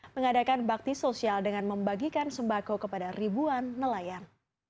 mengadakan bakti sosial dengan membagikan sembako kepada ribuan nelayan